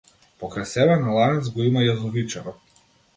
Покрај себе на ланец го има јазовичарот.